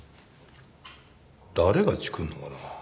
誰がチクるのかな？